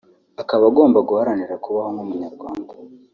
akaba agomba guharanira kubaho nk’umunyarwanda